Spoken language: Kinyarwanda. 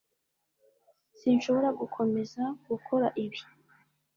sinshobora gukomeza gukora ibi